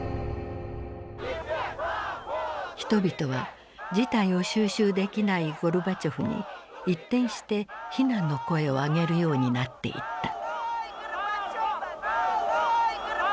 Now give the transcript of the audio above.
人々は事態を収拾できないゴルバチョフに一転して非難の声を上げるようになっていった。